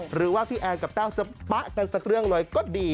หรือว่าพี่แอนกับแต้วจะปะกันสักเรื่องเลยก็ดี